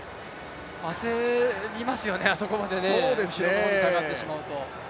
焦りますよね、あそこまで後ろの方に下がってしまうと。